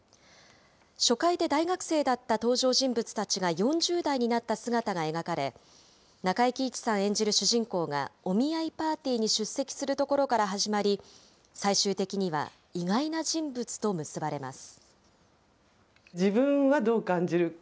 初回で大学生だった登場人物たちが４０代になった姿が描かれ、中井貴一さん演じる主人公がお見合いパーティーに出席するところから始まり、最終的には意外な人物と結ばれます。